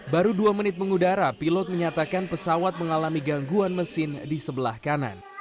baru dua menit mengudara pilot menyatakan pesawat mengalami gangguan mesin di sebelah kanan